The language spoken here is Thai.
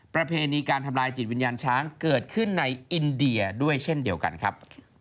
ประเพณีการทำลายจิตวิญญาณช้างเกิดขึ้นในอินเดียด้วยเช่นเดียวกันครับ